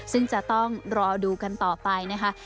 ซึ่งจะต้องรอดูกันต่อไปนะคะ